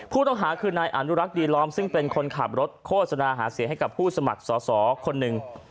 ผู้ต้องหาคือนายอนุรักษ์ดีล้อมซึ่งเป็นคนขับรถโฆษณาหาเสียงให้กับผู้สมัครสอสอคนหนึ่ง